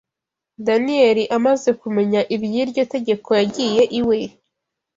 Daniyeli amaze kumenya iby’iryo tegeko yagiye iwe